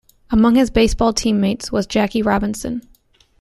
Among his baseball teammates was Jackie Robinson.